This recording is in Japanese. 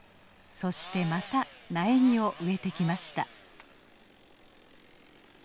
そしてまた苗木を植えてきました。